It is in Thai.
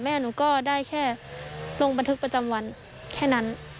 หนูก็ได้แค่ลงบันทึกประจำวันแค่นั้น